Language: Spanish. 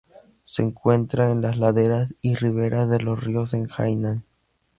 Se encuentra en las laderas y riberas de los ríos en Hainan.